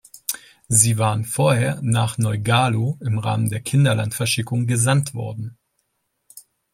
Sie waren vorher nach Neu-Galow im Rahmen der Kinderlandverschickung gesandt worden.